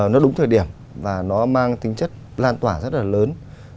nó đúng thời điểm và nó mang tính chất lan tỏa rất là lớn